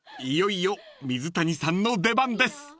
［いよいよ水谷さんの出番です］